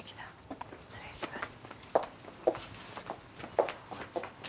では失礼します。